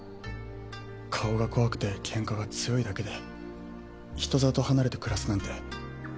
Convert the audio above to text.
顔が怖くてケンカが強いだけで人里離れて暮らすなんて。